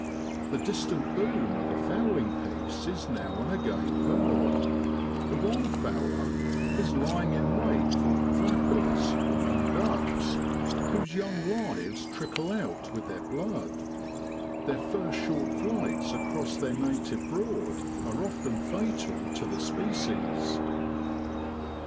The distant boom of a fowling piece is now and again heard; the wild fowler is lying in wait for 'flappers' (young ducks), whose young lives trickle out with their blood; their first short flights across their native Broad are often fatal to the species.